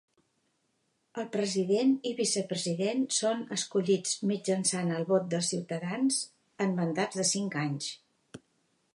El president i vicepresident són escollits mitjançant el vot dels ciutadans en mandats de cinc anys.